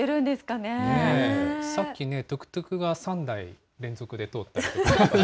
さっきね、トゥクトゥクが３台、連続で通ったんです。